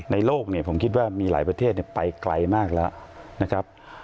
โลกเนี่ยผมคิดว่ามีหลายประเทศไปไกลมากแล้วนะครับ